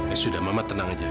eh sudah mamat tenang saja